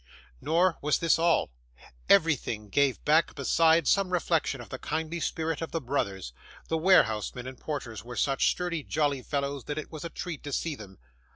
Nor was this all. Everything gave back, besides, some reflection of the kindly spirit of the brothers. The warehousemen and porters were such sturdy, jolly fellows, that it was a treat to see them.